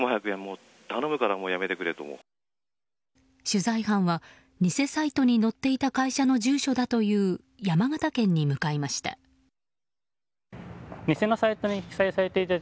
取材班は偽サイトに載っていた会社の住所だという山形県に向かいました。